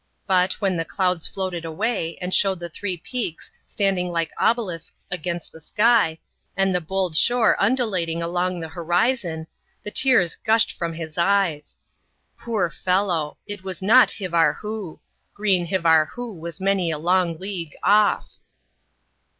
But, when the clouds floated away, and showed the three peaks standing like obelisks against the sky, and the bold shore undulating along the horizon, the tears gushed from his eyes. Poor fellow ! It was not Hivarhoo. Green Hivar hoo was many a long league off.